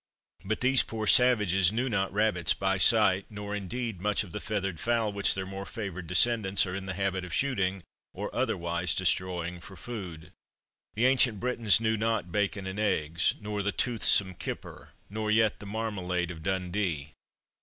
But these poor savages knew not rabbits by sight, nor indeed, much of the feathered fowl which their more favoured descendants are in the habit of shooting, or otherwise destroying, for food. The ancient Britons knew not bacon and eggs, nor the toothsome kipper, nor yet the marmalade of Dundee.